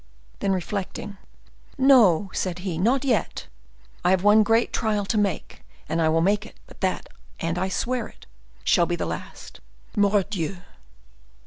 Then, reflecting: "No," said he, "not yet! I have one great trial to make and I will make it; but that, and I swear it, shall be the last, Mordioux!"